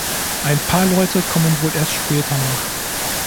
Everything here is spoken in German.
Ein paar Leute kommen wohl erst später nach.